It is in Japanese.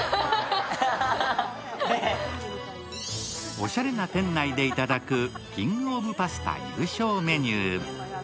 おしゃれな店内でいただくキングオブパスタ優勝メニュー。